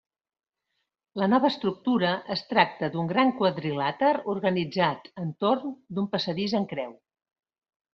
La nova estructura es tracta d'un gran quadrilàter organitzat entorn d'un passadís en creu.